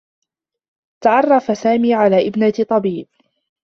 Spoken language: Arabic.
تعرّف سامي على ابنة طبيب.